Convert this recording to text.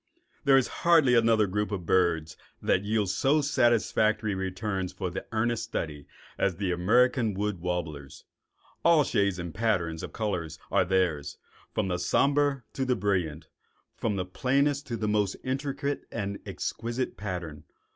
There is hardly another group of birds that yields so satisfactory returns for earnest study as the American wood warblers. All shades and patterns of color are theirs, from somber to brilliant, from the plainest to the most intricate and exquisite pattern.